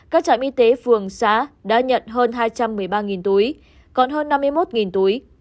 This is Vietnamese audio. các trạm y tế phường xã đã nhận hơn hai trăm một mươi ba túi còn hơn năm mươi một túi